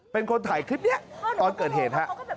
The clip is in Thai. เป็นคนถ่ายคลิปนี้ตอนเกิดเหตุฮะ